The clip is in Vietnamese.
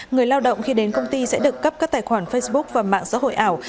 người lao động khi đến công ty sẽ được cấp các tài khoản facebook và mạng xã hội ảo